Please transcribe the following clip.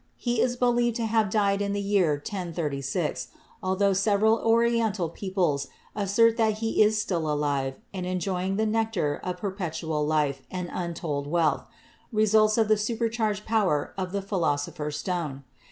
He is believed to have died in the year 1036, altho several Oriental peoples assert that he is still alive and enjoying the nectar of perpetual life and untold wealth, results of the surcharged power of the Philosopher's Stone.